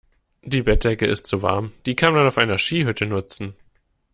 Die Bettdecke ist zu warm. Die kann man auf einer Skihütte nutzen.